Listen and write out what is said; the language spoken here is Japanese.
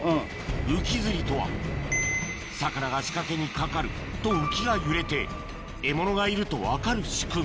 浮き釣りとは魚が仕掛けにかかると浮きが揺れて獲物がいると分かる仕組み